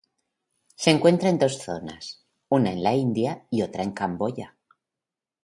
Se encuentra en dos zonas, una en la India y otra en Camboya.